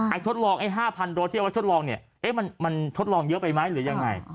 ทดลองไอ้๕๐๐โดสที่เอาไว้ทดลองเนี่ยเอ๊ะมันทดลองเยอะไปไหมหรือยังไง